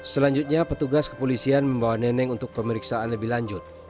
selanjutnya petugas kepolisian membawa neneng untuk pemeriksaan lebih lanjut